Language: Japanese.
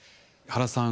原さん